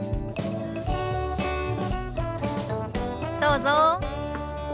どうぞ。